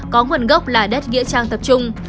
có nguồn gốc là đất nghĩa trang tập trung